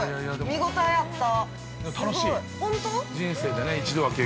見応えあった。